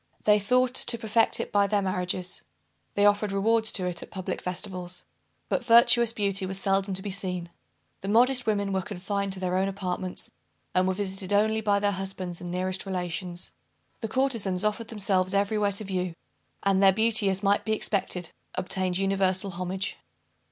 They thought to perfect it by their marriages. They offered rewards to it at the public festivals. But virtuous beauty was seldom to be seen. The modest women were confined to their own apartments, and were visited only by their husbands and nearest relations. The courtezans offered themselves every where to view; and their beauty as might be expected, obtained universal homage.